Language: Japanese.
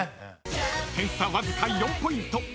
［点差わずか４ポイント］